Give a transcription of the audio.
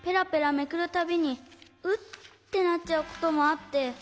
めくるたびにウッてなっちゃうこともあって。